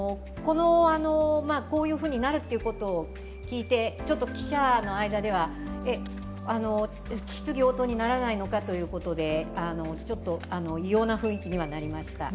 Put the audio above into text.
こういうふうになるということを聞いて記者の間では質疑応答にならないのかということで異様な雰囲気にはなりました。